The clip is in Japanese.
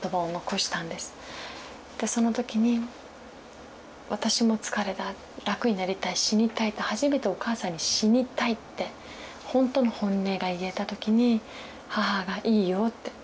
その時に「私も疲れた楽になりたい死にたい」って初めてお母さんに「死にたい」ってほんとの本音が言えた時に母が「いいよ」って。